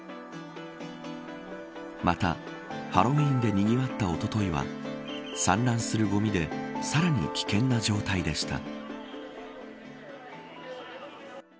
また、ハロウィーンでにぎわったおとといは散乱するごみでさらに危険な状態でした。